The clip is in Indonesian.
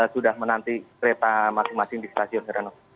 sudah menanti kereta masing masing di stasiun sir ano